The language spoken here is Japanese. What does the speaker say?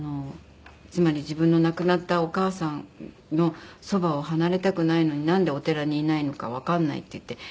つまり「自分の亡くなったお母さんのそばを離れたくないのになんでお寺にいないのかわかんない」って言って。